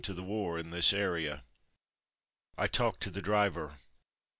to the war in this area. I talked to the driver.